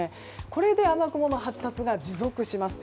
これで雨雲の発達が持続します。